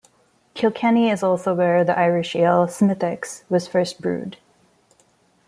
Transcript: Kilkenny is also where the Irish ale, Smithwick's, was first brewed.